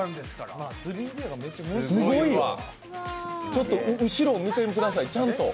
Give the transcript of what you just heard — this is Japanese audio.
ちょっと後ろ見てください、ちゃんと。